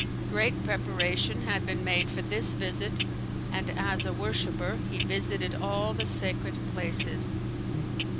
Great preparation had been made for this visit and as a worshipper (?) he visited all the sacred places.